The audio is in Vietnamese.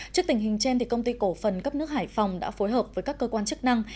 trước tình hình trên công ty cổ phần cấp nước hải phòng đã phối hợp với các cơ quan chức năng